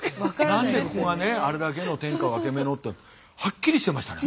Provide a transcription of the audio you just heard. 何でここがねあれだけの天下ワケメのってはっきりしてましたね。